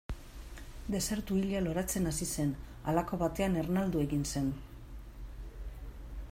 Desertu hila loratzen hasi zen, halako batean ernaldu egin zen.